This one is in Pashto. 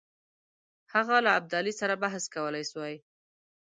هغه له ابدالي سره بحث کولای سوای.